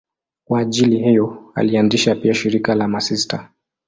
Kwa ajili hiyo alianzisha pia shirika la masista.